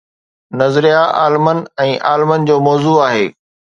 نظريه عالمن ۽ عالمن جو موضوع آهي.